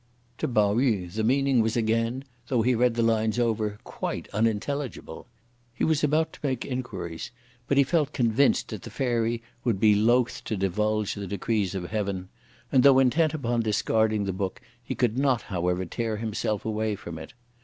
To Pao yü the meaning was again, though he read the lines over, quite unintelligible. He was, about to make inquiries, but he felt convinced that the Fairy would be both to divulge the decrees of Heaven; and though intent upon discarding the book, he could not however tear himself away from it.